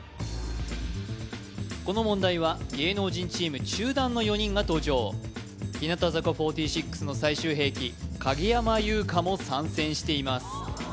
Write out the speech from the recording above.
この問題は芸能人チーム中段の４人が登場日向坂４６の最終兵器影山優佳も参戦しています